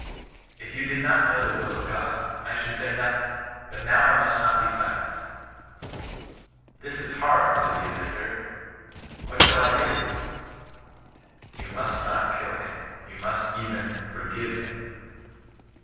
—' If you did not know the will of God, I should say nothing; but now I must not be silent.' — 'This is hard !' said the avenger. What shall I do Y —* You must not kiU him ; you must even forgive him.'